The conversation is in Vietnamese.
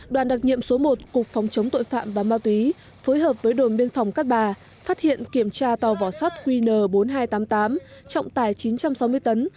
đoàn đặc nhiệm số một cục phòng chống tội phạm và ma túy phối hợp với đồn biên phòng cát bà phát hiện kiểm tra tàu vỏ sắt qn bốn nghìn hai trăm tám mươi tám trọng tải chín trăm sáu mươi tấn